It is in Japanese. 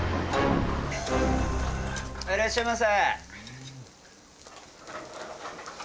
いらっしゃいませ。